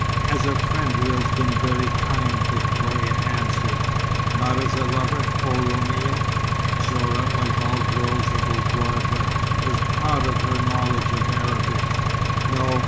"As a friend who has been very kind," Victoria answered. "Not as a lover, oh Roumia?" Zorah, like all girls of Ouargla, was proud of her knowledge of Arabic. "No.